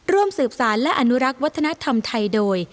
ร่วมสืบสารและอนุรักษ์วัฒนธรรมไทยโดย